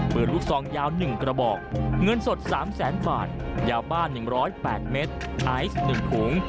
เปลือนลูกซองยาวหนึ่งกระบอกเงินสดสามแสนบาทยาวบ้านหนึ่งร้อยแปดเมตรไอซ์หนึ่งถุง